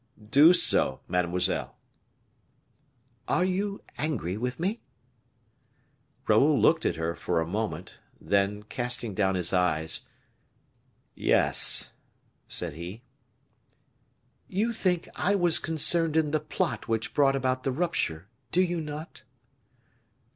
"Do so, mademoiselle." "Are you angry with me?" Raoul looked at her for a moment, then, casting down his eyes, "Yes," said he. "You think I was concerned in the plot which brought about the rupture, do you not?"